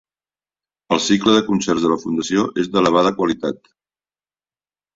El cicle de concerts de la fundació és d'elevada qualitat.